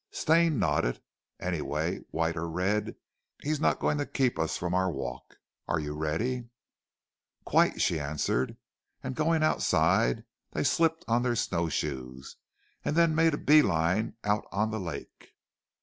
Stane nodded. "Anyway, white or red he is not going to keep us from our walk. Are you ready?" "Quite," she answered, and going outside they slipped on their snow shoes, and then made a bee line out on the lake.